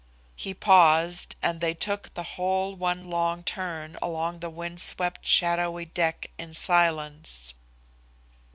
He paused, and they took the whole one long turn along the wind swept, shadowy deck in silence.